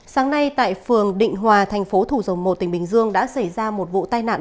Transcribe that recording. sáng nay tại phường định hòa thành phố thủ dầu một tỉnh bình dương đã xảy ra một vụ tai nạn